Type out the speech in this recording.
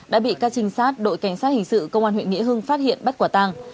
đã bị các trinh sát đội cảnh sát hình sự công an huyện nghĩa hưng phát hiện bắt quả tàng